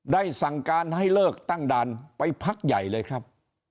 สั่งการให้เลิกตั้งด่านไปพักใหญ่เลยครับ